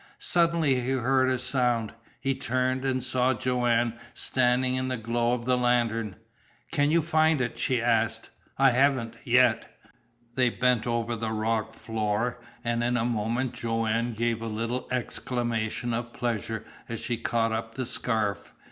Suddenly he heard a sound. He turned, and saw Joanne standing in the glow of the lantern. "Can you find it?" she asked. "I haven't yet." They bent over the rock floor, and in a moment Joanne gave a little exclamation of pleasure as she caught up the scarf.